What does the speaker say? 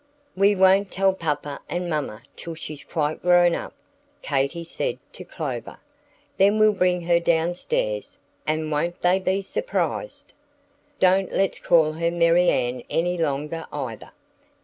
"We won't tell Papa and Mamma till she's quite grown up," Katy said to Clover; "then we'll bring her down stairs, and won't they be surprised? Don't let's call her Marianne any longer, either.